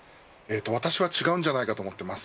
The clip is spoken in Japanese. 私は違うんじゃないかと思ってます。